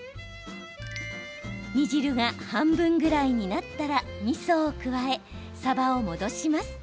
煮汁が半分ぐらいになったらみそを加え、さばを戻します。